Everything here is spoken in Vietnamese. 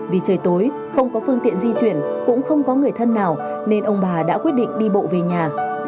vì trời tối không có phương tiện di chuyển cũng không có người thân nào nên ông bà đã quyết định đi bộ về nhà